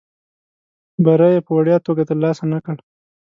بری یې په وړیا توګه ترلاسه نه کړ.